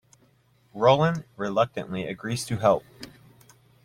Roland reluctantly agrees to help.